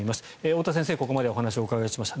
太田先生にここまでお話をお伺いしました。